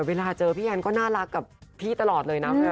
เวลาเจอพี่แอนก็น่ารักกับพี่ตลอดเลยนะ